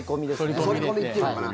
剃り込みっていうのかな。